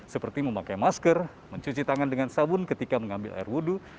seperti memakai masker mencuci tangan dengan sabun ketika mengambil air wudhu